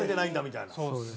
みたいな。